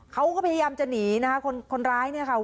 เขาก็พยายามจะหนีนะคะคนคนร้ายเนี่ยค่ะ